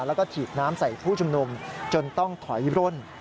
แล้วก็ฉีดน้ำใส่ผู้ชุมนุมจนต้องถอยร่น